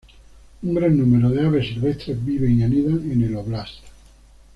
Un gran número de aves silvestres viven y anidan en el oblast.